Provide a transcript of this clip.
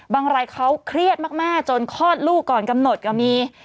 รายเขาเครียดมากจนคลอดลูกก่อนกำหนดก็มี